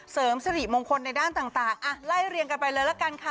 เสริมสิริมงคลในด้านต่างไล่เรียงกันไปเลยละกันค่ะ